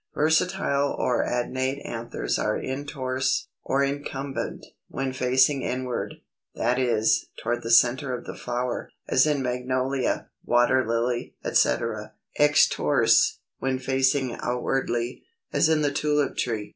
Versatile or adnate anthers are Introrse, or Incumbent, when facing inward, that is, toward the centre of the flower, as in Magnolia, Water Lily, etc. Extrorse, when facing outwardly, as in the Tulip tree.